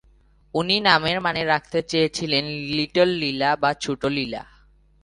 উনি নামের মানে রাখতে চেয়েছিলেন "লিটল লীলা" বা ছোট লীলা।